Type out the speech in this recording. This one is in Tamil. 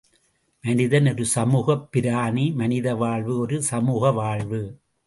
மனிதன் ஒரு சமூகப் பிராணி, மனித வாழ்வு ஒரு சமூக வாழ்வு.